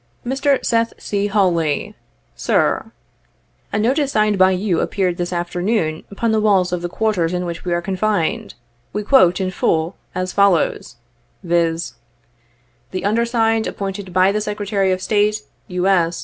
"Mr. SETII C. HAWLEY, "Sir: "A notice signed by you appeared this afternoon, upon the walls of the quarters in which we are confined. We quote it, in full, as follows, viz :' The undersigned appointed by the Secretary of State, U. S.